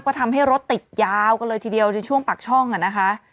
ก็ทำให้รถติดยาวกันเลยทีเดียวในช่วงปากช่องอ่ะนะคะ